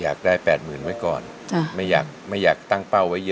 อยากได้๘๐๐๐๐บาทไว้ก่อนไม่อยากตั้งเป้าไว้เยอะ